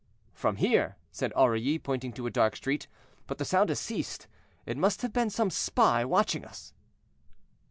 "From there," said Aurilly, pointing to a dark street. "But the sound has ceased; it must have been some spy watching us."